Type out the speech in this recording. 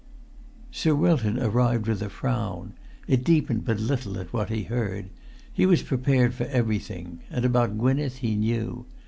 Sir Wilton arrived with a frown. It deepened but little at what he heard. He was prepared for everything; and about Gwynneth he knew.